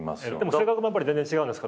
性格も全然違うんですか？